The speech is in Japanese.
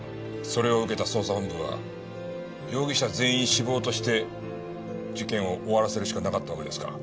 それを受けた捜査本部は容疑者全員死亡として事件を終わらせるしかなかったわけですか。